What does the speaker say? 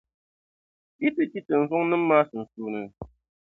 yi ti kpi tinzunnim’ maa sunsuuni.